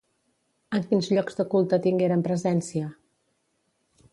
En quins llocs de culte tingueren presència?